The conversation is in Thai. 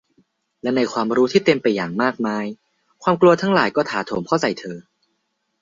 และในความรู้ที่เต็มไปอย่างมากมาย ความกลัวทั้งหลายก็ถาโถมเข้าใส่เธอ